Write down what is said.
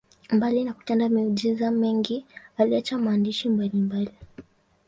Mbali na kutenda miujiza mingi, aliacha maandishi mbalimbali.